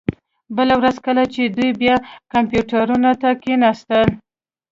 بله ورځ کله چې دوی بیا کمپیوټرونو ته کښیناستل